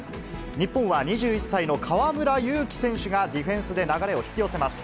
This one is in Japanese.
日本は２１歳の河村勇輝選手がディフェンスで流れを引き寄せます。